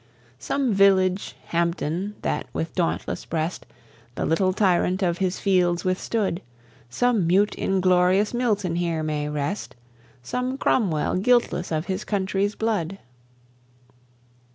Some village Hampden, that with dauntless breast The little tyrant of his fields withstood; Some mute inglorious Milton here may rest, Some Cromwell guiltless of his country's blood.